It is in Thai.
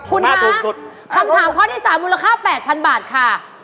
คุณคะคำถามข้อที่๓มูลค่า๘๐๐๐บาทค่ะ